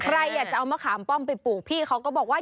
ใครอยากจะเอามะขามป้อมไปปลูกพี่เขาก็บอกว่า